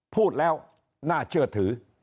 พูดแล้วน่าเชื่อถือ